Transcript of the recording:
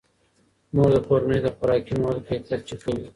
مور د کورنۍ د خوراکي موادو کیفیت چک کوي.